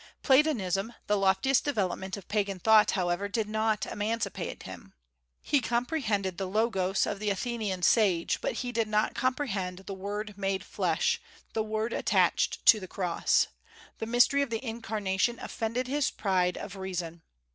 Platonism, the loftiest development of pagan thought, however, did not emancipate him. He comprehended the Logos of the Athenian sage; but he did not comprehend the Word made flesh, the Word attached to the Cross. The mystery of the Incarnation offended his pride of reason.